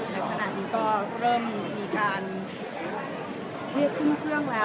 ในขณะนี้ก็เริ่มมีการเรียกขึ้นเครื่องแล้ว